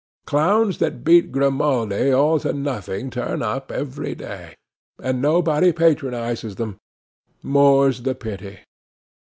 Clowns that beat Grimaldi all to nothing turn up every day, and nobody patronizes them—more's the pity!